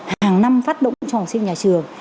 hàng năm phát động cho học sinh nhà trường